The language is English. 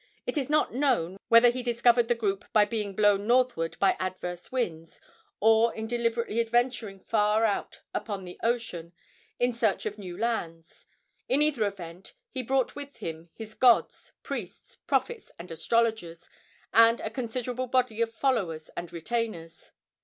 It is not known whether he discovered the group by being blown northward by adverse winds, or in deliberately adventuring far out upon the ocean in search of new lands. In either event, he brought with him his gods, priests, prophets and astrologers, and a considerable body of followers and retainers.